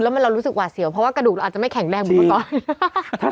เรัก็นอนหงายนอนคว่างกับจุดมางเหมือนกัน